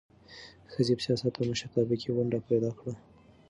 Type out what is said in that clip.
ښځې په سیاست او مشرتابه کې ونډه پیدا کړه.